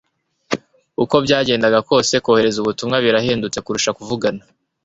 uko byagenda kose, kohereza ubutumwa birahendutse kurusha kuvugana